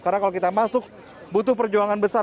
karena kalau kita masuk butuh perjuangan besar